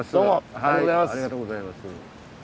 ありがとうございます。